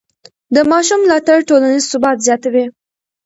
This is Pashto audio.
د ماشوم ملاتړ ټولنیز ثبات زیاتوي.